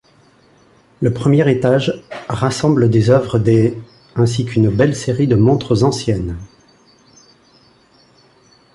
Le premier étage rassemble des œuvres des ainsi qu’une belle série de montres anciennes.